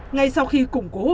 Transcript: ngay sau khi củng cố hồ sơ